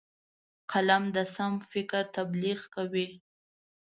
قلم د سم فکر تبلیغ کوي